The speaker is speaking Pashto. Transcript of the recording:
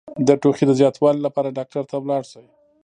د ټوخي د زیاتوالي لپاره ډاکټر ته لاړ شئ